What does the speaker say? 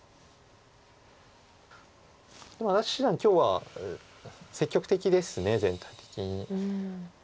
でも安達七段今日は積極的です全体的に。